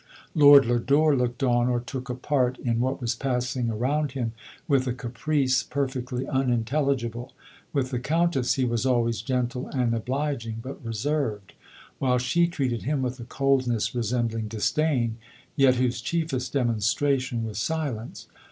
Lord Lodore looked on, or took a part, in what was passing around him, with a caprice perfectly unintelligible. With the Countess he was always gentle and obliging, but reserved. While she treated him with a coldness resem bling disdain, yet whose chiefest demonstration was silence.